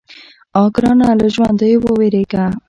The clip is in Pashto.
_اه ګرانه! له ژونديو ووېرېږه.